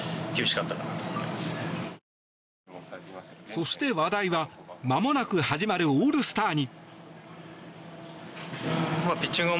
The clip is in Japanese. そして、話題はまもなく始まるオールスターに。